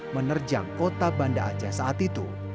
menerjang kota banda aceh saat itu